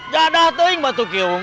gak dateng batu kiawong